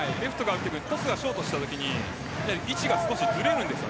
トスがショートしたときに位置が少しずれるんです。